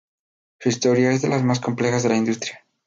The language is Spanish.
Su historia es de las más complejas de la industria.